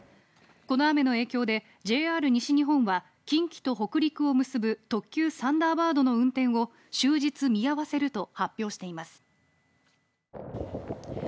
この雨の影響でＪＲ西日本は近畿と北陸を結ぶ特急サンダーバードの運転を終日見合わせると発表しています。